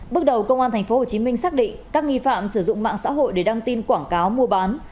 bước đầu công an tp hcm xác định các nghi phạm sử dụng mạng xã hội để đăng tin quảng cáo mua bán